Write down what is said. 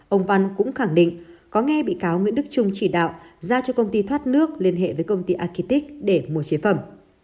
ông văn cũng khẳng định có nghe bị cáo nguyễn đức trung chỉ đạo ra cho công ty thoát nước liên hệ với công ty aqitics để mua chế phẩm